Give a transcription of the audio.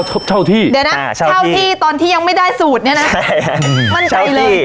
เท่าที่เดี๋ยวนะเท่าที่ตอนที่ยังไม่ได้สูตรเนี่ยนะมั่นใจเลย